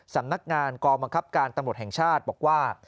สำนักงานกองบังคับการตำรวจแห่งชาติบอกว่า